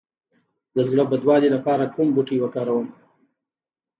د زړه بدوالي لپاره کوم بوټی وکاروم؟